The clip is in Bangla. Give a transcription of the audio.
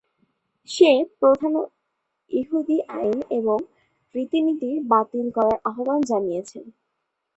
সে প্রধান ইহুদি আইন এবং রীতিনীতি বাতিল করার আহ্বান জানিয়েছিলেন।